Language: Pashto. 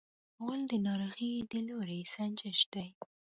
غول د ناروغۍ د لوری سنجش دی.